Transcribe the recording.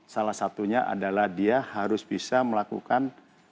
salah satunya adalah dia harus bisa melakukan